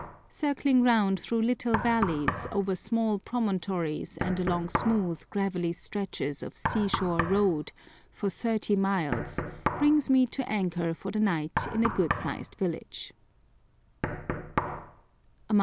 Circling around through little valleys, over small promontories and along smooth, gravelly stretches of sea shore road, for thirty miles, brings me to anchor for the night in a good sized village.